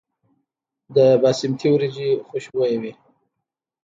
د باسمتي وریجې خوشبويه وي.